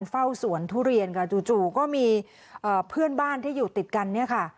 เฝ้าสวนทุเรียนค่ะจู่ก็มีเพื่อนบ้านที่อยู่ติดกันเนี่ยค่ะ